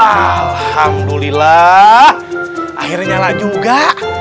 alhamdulillah akhirnya nyala juga